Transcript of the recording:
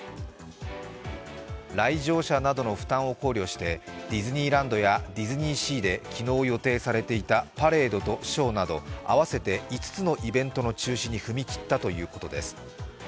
来場者などの負担を考慮してディズニーランドやディズニーシーで昨日予定されていたパレードとショーなど合わせて５つのイベントの中止に踏み切ったということです。